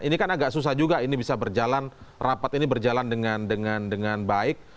ini kan agak susah juga ini bisa berjalan rapat ini berjalan dengan baik